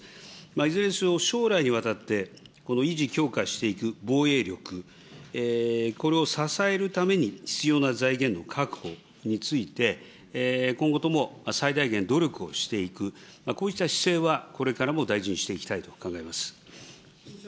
いずれにせよ、将来にわたってこの維持強化していく防衛力、これを支えるために必要な財源の確保について、今後とも最大限努力をしていく、こうした姿勢はこれからも大事にしていきたいと考えます。